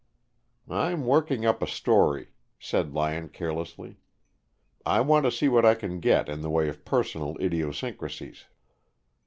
"I'm working up a story," said Lyon carelessly. "I want to see what I can get in the way of personal idiosyncrasies."